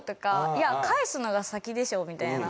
いや返すのが先でしょみたいな。